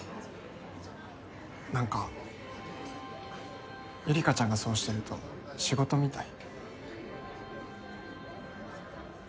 何かゆりかちゃんがそうしてると仕事みたい